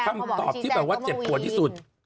คำตอบที่แบบว่าเจ็บปวดที่สุด